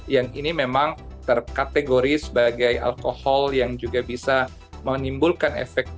yang ini memang terkategori sebagai alkohol yang juga bisa menimbulkan efek